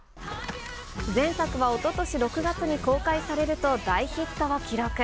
前作は、おととし６月に公開されると、大ヒットを記録。